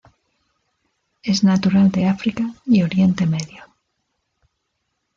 Es natural de África y Oriente Medio.